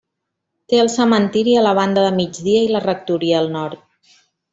Té el cementiri a la banda de migdia i la rectoria al nord.